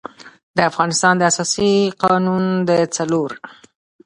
د افغانستان د اساسي قـانون د څلور